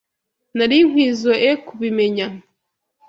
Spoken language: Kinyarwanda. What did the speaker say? Nari nkwizoe kubimenya.